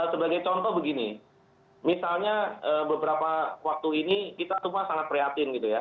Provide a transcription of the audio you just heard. sebagai contoh begini misalnya beberapa waktu ini kita semua sangat priatin gitu ya